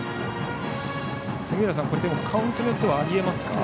杉浦さん、カウントによってはあり得ますか？